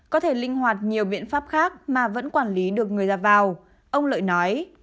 có thể linh hoạt nhiều biện pháp khác mà vẫn quản lý được người ra vào ông lợi nói